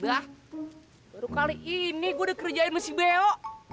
dah baru kali ini gua dikerjain sama si beo